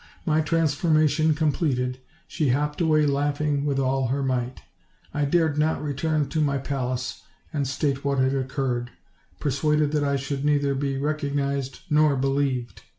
My transformation completed, she hopped away laughing with all her might. I dared not return to my palace and state what had occurred, per suaded that I should neither be recognized nor believed.